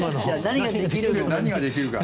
何ができるか。